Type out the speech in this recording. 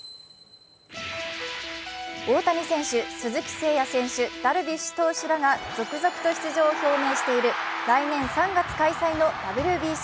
大谷選手、鈴木誠也選手、ダルビッシュ投手らが続々と出場を表明している来年３月開催のＷＢＣ。